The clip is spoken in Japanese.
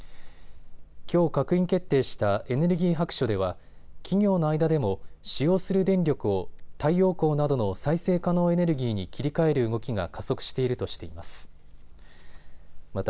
きょう閣議決定したエネルギー白書では企業の間でも使用する電力を太陽光などの再生可能エネルギーに切り替える動きが加速しているとしています。